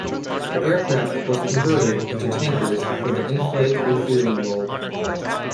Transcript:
The aircraft were converted into tankers for the inflight refuelling role.